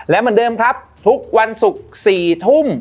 และเหมือนเดิมครับทุกวันศุกร์๔ทุ่ม